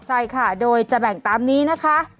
ใช่ค่ะโดยจะแบ่งตามนี้นะคะ